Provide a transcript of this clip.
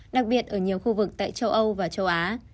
đặc biệt ở nhiều khu vực tại châu âu và châu á